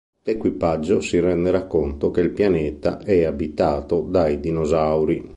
L'equipaggio si renderà conto che il pianeta è abitato dai dinosauri.